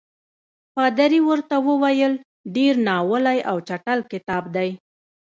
پادري ورته وویل ډېر ناولی او چټل کتاب دی.